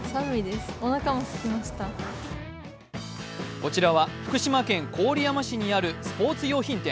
こちらは福島県郡山市にあるスポ−ツ用品店。